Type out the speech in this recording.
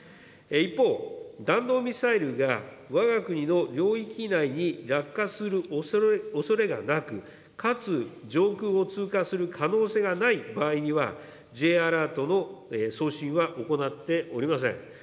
一方、弾道ミサイルがわが国の領域内に落下するおそれがなく、かつ上空を通過する可能性がない場合には、Ｊアラートの送信は行っておりません。